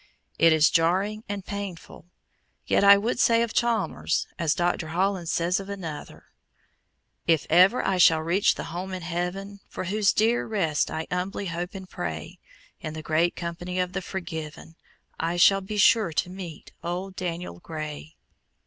It is jarring and painful, yet I would say of Chalmers, as Dr. Holland says of another: If ever I shall reach the home in heaven, For whose dear rest I humbly hope and pray, In the great company of the forgiven I shall be sure to meet old Daniel Gray.